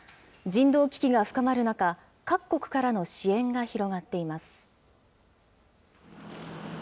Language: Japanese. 人道危機が深まる中、各国からの支援が広がっています。